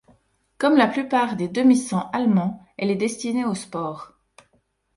Comme la plupart des demi-sang allemands, elle est destinée au sport.